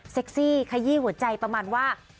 ซี่ขยี้หัวใจประมาณว่า